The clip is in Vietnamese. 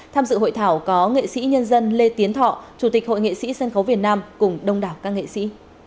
tham dự hội thảo có nghệ sĩ nhân dân lê tiến thọ chủ tịch hội nghệ sĩ sân khấu việt nam cùng đông đảo các nghệ sĩ